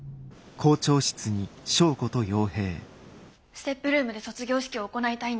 ＳＴＥＰルームで卒業式を行いたいんです。